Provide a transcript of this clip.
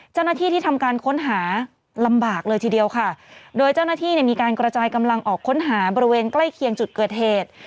ที่ทำการค้นหาลำบากเลยทีเดียวค่ะโดยเจ้าหน้าที่เนี่ยมีการกระจายกำลังออกค้นหาบริเวณใกล้เคียงจุดเกิดเหตุ